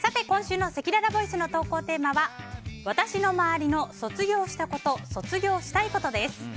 今週のせきららボイスの投稿テーマは私のまわりの卒業したこと卒業したいことです。